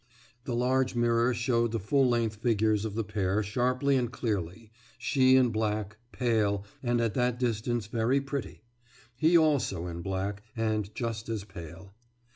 « The large mirror showed the full length figures of the pair sharply and clearly she in black, pale, and at that distance very pretty; he also in black, and just as pale.